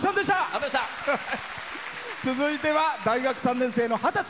続いては大学３年生の二十歳。